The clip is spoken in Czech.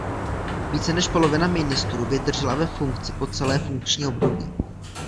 Více než polovina ministrů vydržela ve funkci po celé funkční období.